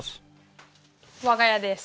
我が家です。